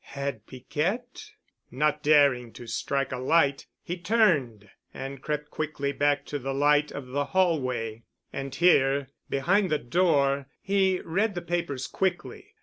Had Piquette...? Not daring to strike a light he turned and crept quickly back to the light of the hall way. And here, behind the door, he read the papers quickly.